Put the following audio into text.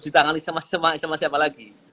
ditangani sama siapa lagi